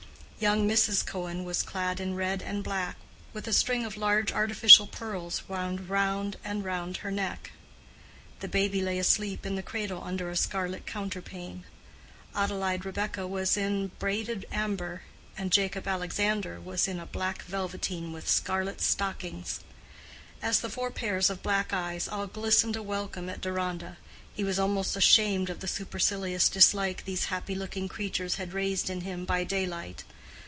Young Mrs. Cohen was clad in red and black, with a string of large artificial pearls wound round and round her neck: the baby lay asleep in the cradle under a scarlet counterpane; Adelaide Rebekah was in braided amber, and Jacob Alexander was in black velveteen with scarlet stockings. As the four pairs of black eyes all glistened a welcome at Deronda, he was almost ashamed of the supercilious dislike these happy looking creatures had raised in him by daylight.